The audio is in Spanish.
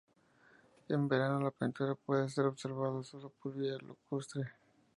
En verano, la pintura puede ser observada sólo por vía lacustre.